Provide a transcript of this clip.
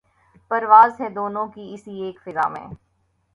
پرواز ہے دونوں کی اسی ایک فضا میں